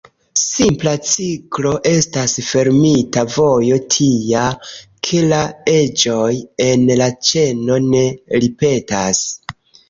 Simpla ciklo estas fermita vojo tia, ke la eĝoj en la ĉeno ne ripetas.